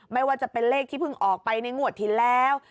ไม่ว่าจะเป็นเลขที่เพิ่งออกไปในงวดที่แล้ว